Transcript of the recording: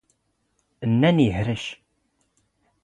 ⵏⵏⴰⵏ ⵉⵀⵔⵛ.